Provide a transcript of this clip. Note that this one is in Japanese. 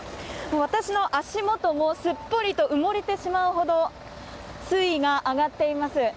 私の足元もすっぽりと埋もれてしまうほど水位が上がっています。